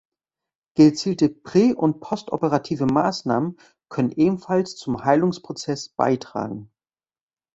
Gezielte prä- und postoperative Maßnahmen können ebenfalls zum Heilungsprozess beitragen.